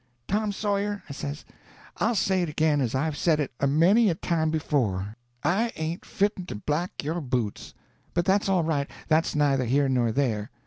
"Tom Sawyer," I says, "I'll say it again as I've said it a many a time before: I ain't fitten to black your boots. But that's all right—that's neither here nor there.